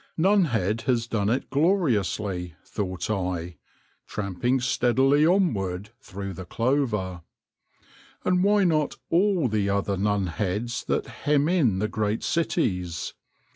Nunhead has done it gloriously, thought I, tramping steadily onward through the clover. And why not all the other Nunheads that hem in the great cities